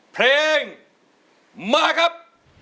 เพลงมาครับ